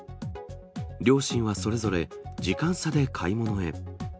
両親はそれぞれ時間差で買い物へ。